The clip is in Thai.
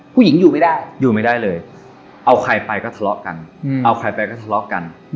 ผู้หญิงอยู่ไม่ได้อยู่ไม่ได้เลยเอาใครไปก็ทะเลาะกันเอาใครไปก็ทะเลาะกัน